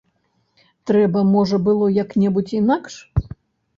Трэба, можа, было як-небудзь інакш.